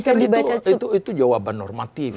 saya pikir itu jawaban normatif